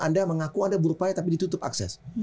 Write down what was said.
anda mengaku anda bu rupaya tapi ditutup akses